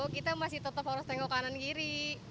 kita masih tetap harus tengok kanan kiri